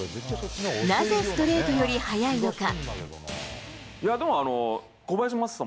なぜストレートより速いのか。